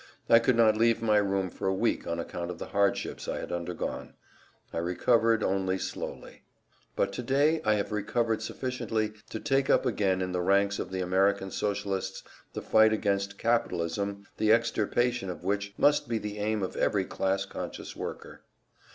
I could not leave my room for a week on account of the hardships I had undergone; I recovered only slowly. But to day I have recovered sufficiently to take up again in the ranks of the American Socialists the fight against capitalism the extirpation of which must be the aim of every class conscious worker.